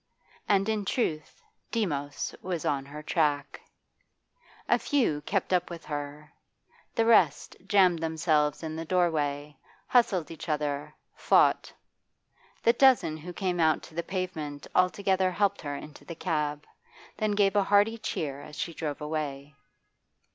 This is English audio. And in truth Demos was on her track. A few kept up with her; the rest jammed themselves in the door way, hustled each other, fought. The dozen who came out to the pavement altogether helped her into the cab, then gave a hearty cheer as she drove away.